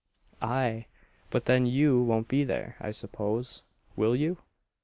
"Aye, but then you won't be there, I suppose, will you?"